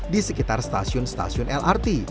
di sekitar stasiun stasiun lrt